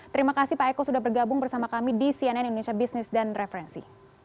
terima kasih pak eko sudah bergabung bersama kami di cnn indonesia business dan referensi